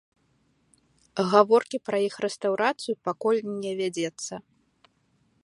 Гаворкі пра іх рэстаўрацыю пакуль не вядзецца.